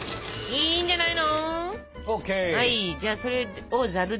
いいんじゃない？